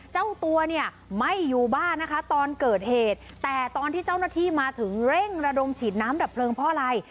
เจ้าตัวเนี่ยไม่อยู่บ้านนะคะตอนเกิดเหตุแต่ตอนที่เจ้าหน้าที่มาถึงเร่งระดมฉีดน้ำดับเพลิงเพราะอะไร